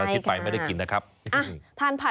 เออดราม่าจังเลยเนี่ย